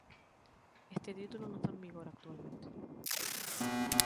Este título no está actualmente en vigor.